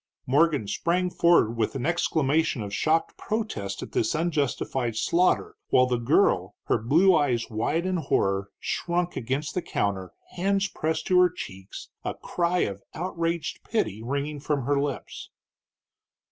Morgan sprang forward with an exclamation of shocked protest at this unjustified slaughter, while the girl, her blue eyes wide in horror, shrunk against the counter, hands pressed to her cheeks, a cry of outraged pity ringing from her lips.